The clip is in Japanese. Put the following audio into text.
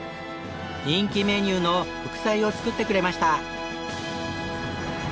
人気メニューの副菜を作ってくれました。